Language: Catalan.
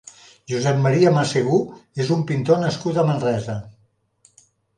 Josep Maria Massegú és un pintor nascut a Manresa.